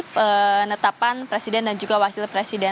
penetapan presiden dan juga wakil presiden